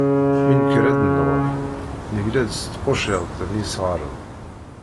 Mi nekker ad d-nruḥ negla-d s tquciḍt n yisɣaren.